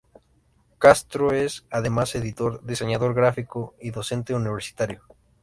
Castro es, además, editor, diseñador gráfico y docente universitario.